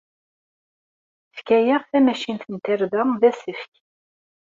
Tefka-aɣ tamacint n tarda d asefk.